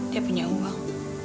dia punya uang